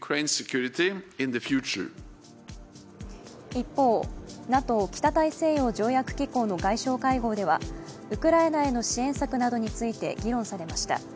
一方、ＮＡＴＯ＝北大西洋条約機構の外相会合では、ウクライナへの支援策などについて議論されました。